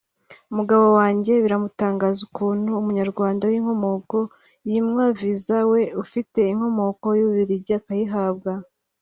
umugabo wanjye biramutangaza ukuntu umunyarwanda w’inkomoko yimwa visa we ufite inkomoko y’Ububiligi akayihabwa